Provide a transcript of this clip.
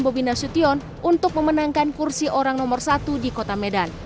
bobi nasution untuk memenangkan kursi orang nomor satu di kota medan